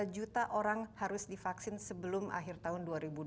satu ratus delapan puluh dua juta orang harus divaksin sebelum akhir tahun dua ribu dua puluh satu